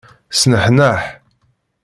Sneḥneḥ.